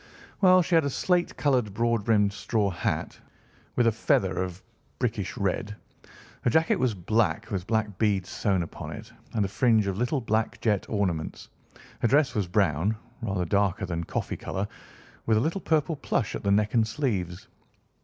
"Well, she had a slate coloured, broad brimmed straw hat, with a feather of a brickish red. Her jacket was black, with black beads sewn upon it, and a fringe of little black jet ornaments. Her dress was brown, rather darker than coffee colour, with a little purple plush at the neck and sleeves.